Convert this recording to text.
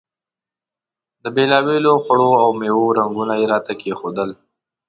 د بېلابېلو خوړو او میوو رنګونه یې راته کېښودل.